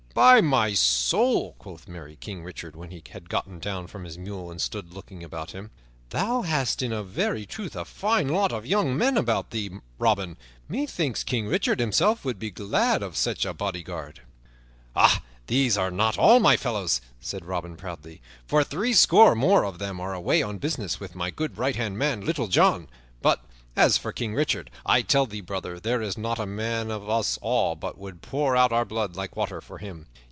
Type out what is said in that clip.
"By my soul," quoth merry King Richard, when he had gotten down from his mule and stood looking about him, "thou hast in very truth a fine lot of young men about thee, Robin. Methinks King Richard himself would be glad of such a bodyguard." "These are not all of my fellows," said Robin proudly, "for threescore more of them are away on business with my good right hand man, Little John. But, as for King Richard, I tell thee, brother, there is not a man of us all but would pour out our blood like water for him.